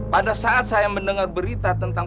pada saat saya mendengar berita tentang